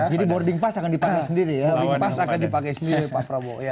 jadi boarding pass akan dipakai sendiri ya pak prabowo